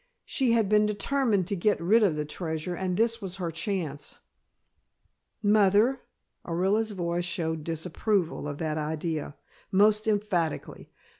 She had been determined to get rid of the treasure and this was her chance. "Mother?" Orilla's voice showed disapproval of that idea, most emphatically.